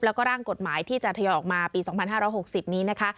แล้วก็ร่างกฎหมายที่จะทยอยออกมาปี๒๕๖๐นี้นะคะ